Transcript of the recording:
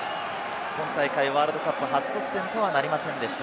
今大会ワールドカップ初得点とはなりませんでした。